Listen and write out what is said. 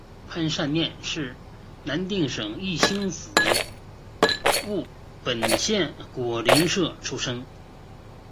潘善念是南定省义兴府务本县果灵社出生。